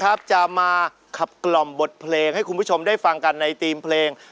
ครับจะมาขับกล่อมบทเพลงให้คุณผู้ชมได้ฟังกันในทีมเพลง